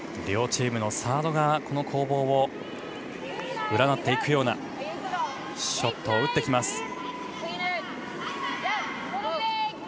両チームのサードがこの攻防を占っていくようなショットを打ってきます。